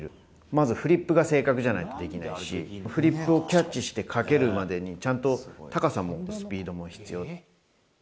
まずフリップが正確じゃないとできないし、フリップをキャッチしてかけるまでにちゃんと、高さもスピードも必要。